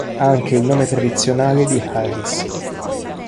Ha anche il nome tradizionale di Haris.